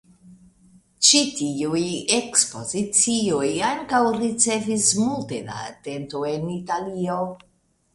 Ĉi tiuj ekspozicioj ankaŭ ricevis multe da atento en Italio.